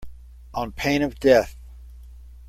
On pain of death.